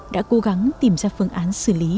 đã cố gắng tìm ra phương án xử lý